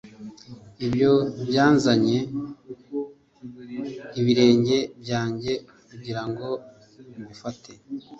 Ibyo byanzanye ibirenge byanjye kugirango mbifate